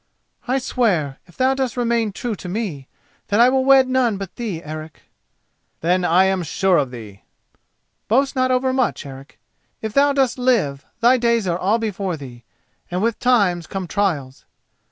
"I swear, if thou dost remain true to me, that I will wed none but thee, Eric." "Then I am sure of thee." "Boast not overmuch, Eric: if thou dost live thy days are all before thee, and with times come trials."